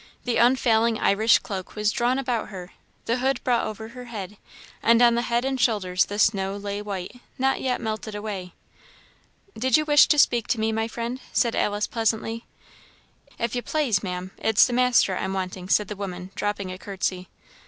The unfailing Irish cloak was drawn about her, the hood brought over her head, and on the head and shoulders the snow lay white, not yet melted away. "Did you wish to speak to me, my friend?" said Alice, pleasantly. "If ye plase, Maam, it the master I'm wanting," said the woman, dropping a courtesy.